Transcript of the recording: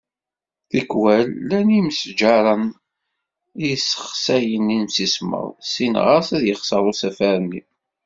Tikwal, llan yimestjaren i yessexsayen imsismeḍ, syin ɣer-s, ad yexser usafar-nni.